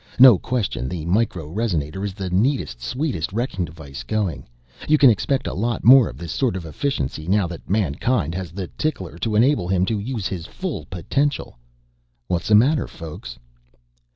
No question the micro resonator is the neatest sweetest wrecking device going. You can expect a lot more of this sort of efficiency now that mankind has the tickler to enable him to use his full potential. What's the matter, folks?"